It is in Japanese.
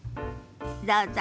どうぞ。